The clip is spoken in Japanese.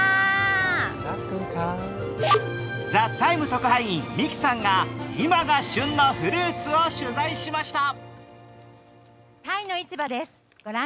ＴＨＥＴＩＭＥ，特派員、ＭＩＫＩさんが今が旬のフルーツを取材しました。